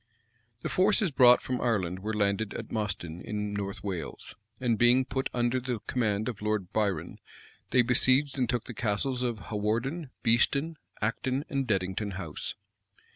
The forces brought from Ireland were landed at Mostyne, in North Wales; and being put under the command of Lord Biron, they besieged and took the Castles of Hawarden, Beeston, Acton, and Deddington House.